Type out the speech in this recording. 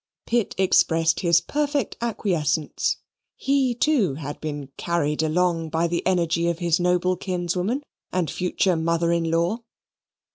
Pitt expressed his perfect acquiescence. He, too, had been carried along by the energy of his noble kinswoman, and future mother in law.